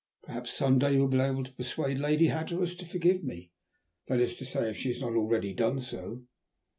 Perhaps some day you will be able to persuade Lady Hatteras to forgive me, that is to say if she has not already done so.